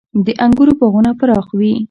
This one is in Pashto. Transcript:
• د انګورو باغونه پراخ وي.